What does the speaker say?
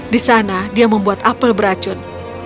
di sana dia membuat apel beracun